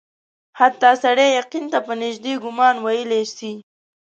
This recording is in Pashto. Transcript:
حتی سړی یقین ته په نیژدې ګومان ویلای سي.